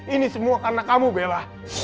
ini semua karena kamu bela